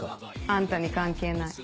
あんたに関係ない。